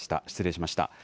失礼しました。